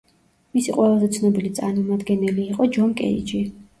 მისი ყველაზე ცნობილი წარმომადგენელი იყო ჯონ კეიჯი.